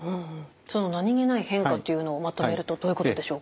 その何気ない変化というのをまとめるとどういうことでしょうか？